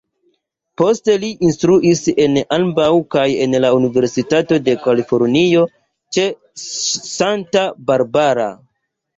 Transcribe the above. Poste li instruis en ambaŭ kaj en la Universitato de Kalifornio ĉe Santa Barbara.